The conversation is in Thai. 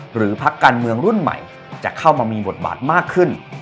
พักการเมืองรุ่นใหม่จะเข้ามามีบทบาทมากขึ้น